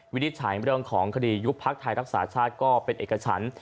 วินิจฉัยเรื่องของคดียุบพักไทยรักษาชาติก็เป็นเอกฉัน